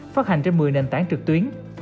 phát hành trên một mươi nền tảng trực tuyến